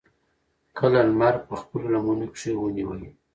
کله نمر پۀ خپلو لمنو کښې ونيوي